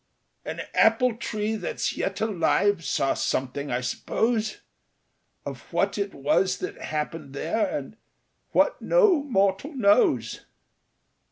"An apple tree that's yet alive saw something, I suppose, Of what it was that happened there, and what no mortal knows.